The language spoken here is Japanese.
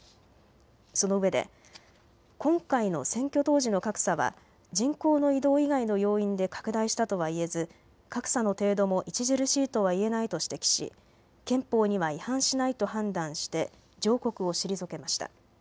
そのうえで今回の選挙当時の格差は人口の異動以外の要因で拡大したとはいえず格差の程度も著しいとはいえないと指摘し憲法には違反しないと判断して上告を退けました。